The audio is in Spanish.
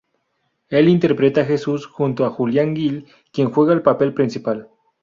Él interpreta a Jesús junto a Julián Gil, quien juega el papel principal.